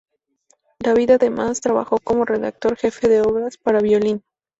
David además trabajó como redactor jefe de obras para violín.